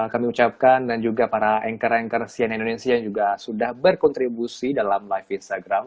kami ucapkan dan juga para anchor anchor cnn indonesia yang juga sudah berkontribusi dalam live instagram